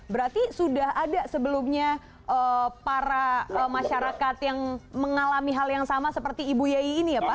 berarti sudah ada sebelumnya para masyarakat yang mengalami hal yang sama seperti ibu yeyi ini ya pak